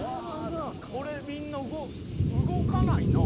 これみんな動動かないな。